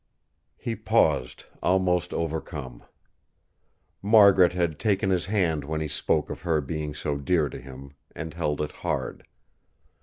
He paused, almost overcome. Margaret had taken his hand when he spoke of her being so dear to him, and held it hard.